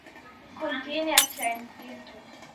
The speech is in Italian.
Contiene accenti.